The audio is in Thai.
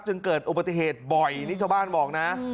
จึงเกิดอุปถติเหตุบ่อยนี่เจ้าบ้านบอกนะ